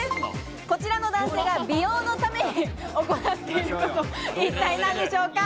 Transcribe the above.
こちらの男性が美容のために行っていること、一体何でしょうか？